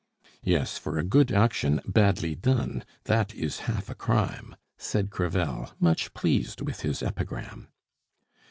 "Yes, for a good action badly done! That is half a crime," said Crevel, much pleased with his epigram.